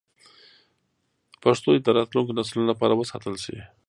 پښتو دې د راتلونکو نسلونو لپاره وساتل شي.